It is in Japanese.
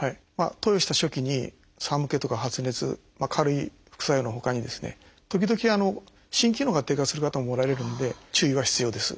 投与した初期に寒気とか発熱軽い副作用のほかに時々心機能が低下する方もおられるんで注意が必要です。